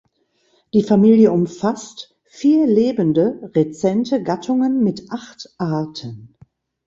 Die Familie umfasst vier lebende (rezente) Gattungen mit acht Arten.